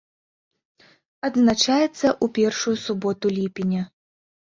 Адзначаецца ў першую суботу ліпеня.